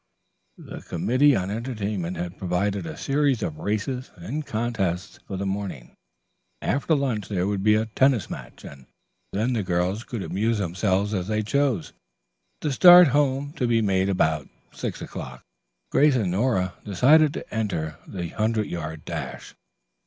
The committee on entertainment had provided a series of races and contests for the morning. After lunch there would be a tennis match, and then the girls could amuse themselves as they chose; the start home to be made about six o'clock. Grace and Nora decided to enter the hundred yard dash.